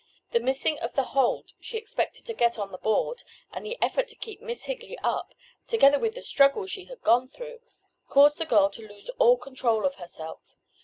The missing of the hold she expected to get on the board and the effort to keep Miss Higley up, together with the struggle she had gone through, caused the girl to lose all control of herself.